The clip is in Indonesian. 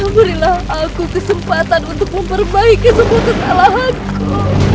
berilah aku kesempatan untuk memperbaiki semua kesalahanku